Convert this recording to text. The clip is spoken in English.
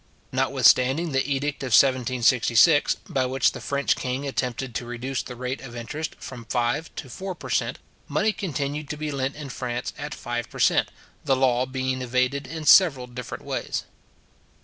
Notwithstanding the edict of 1766, by which the French king attempted to reduce the rate of interest from five to four per cent. money continued to be lent in France at five per cent. the law being evaded in several different ways.